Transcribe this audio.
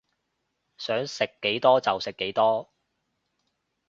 想食幾多就食幾多